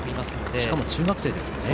しかも中学生ですよね。